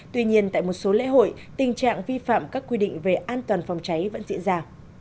tuy nhiên tại một số lễ hội tình trạng vi phạm các quy định về an toàn phòng cháy vẫn diễn ra